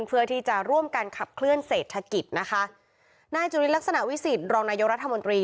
เพื่อที่จะร่วมกันขับเคลื่อนเศรษฐกิจนะคะนายจุลินลักษณะวิสิตรองนายกรัฐมนตรี